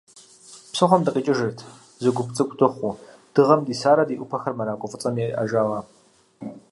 Псыхъуэм дыкъикӏыжырт, зы гуп цӏыкӏу дыхъуу, дыгъэм дисарэ, ди ӏупэхэр мэракӏуэ фӏыцӏэм ириӏэжауэ.